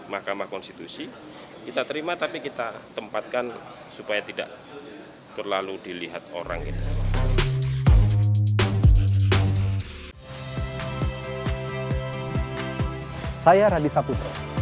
mahkamah konstitusi kita terima tapi kita tempatkan supaya tidak terlalu dilihat orang itu